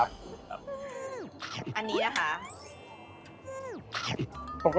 อันนี้นะคะ